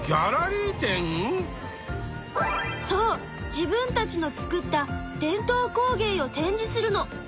自分たちの作った伝統工芸を展示するの。